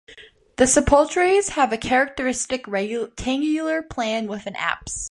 The sepulchres have a characteristic rectangular plan with an apse.